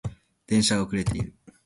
電車が遅れている